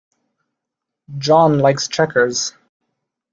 John likes checkers.